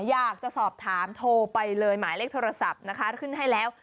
อยากจะสอบถามโทรไปเลยหมายเลขโทรศัพท์นะคะขึ้นให้แล้ว